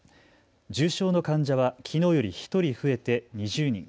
重症の患者はきのうより１人増えて２０人。